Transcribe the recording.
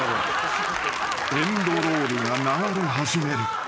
［エンドロールが流れ始める］